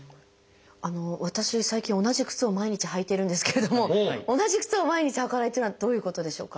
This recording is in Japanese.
あの私最近同じ靴を毎日履いてるんですけれども同じ靴を毎日履かないっていうのはどういうことでしょうか？